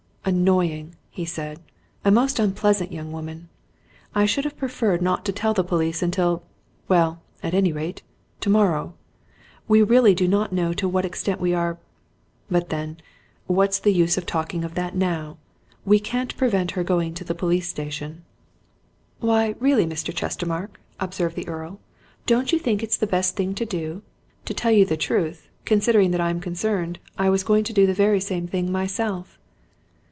"Annoying!" he said. "A most unpleasant young woman! I should have preferred not to tell the police until well, at any rate, tomorrow. We really do not know to what extent we are but then, what's the use of talking of that now? We can't prevent her going to the police station." "Why, really, Mr. Chestermarke," observed the Earl, "don't you think it's the best thing to do? To tell you the truth, considering that I'm concerned, I was going to do the very same thing myself."